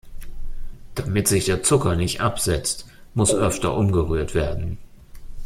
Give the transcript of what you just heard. Damit sich der Zucker nicht absetzt, muss öfter umgerührt werden.